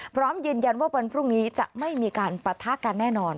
พร้อมยืนยันว่าวันพรุ่งนี้จะไม่มีการปะทะกันแน่นอน